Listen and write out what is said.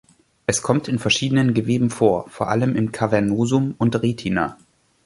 Es kommt in verschiedenen Geweben vor, vor allem in Cavernosum und Retina.